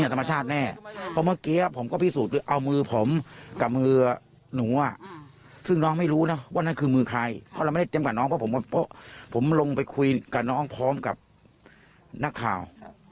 เราไม่ได้เตรียมกับน้องเพราะผมลงไปคุยกับน้องพร้อมกับนักข่าว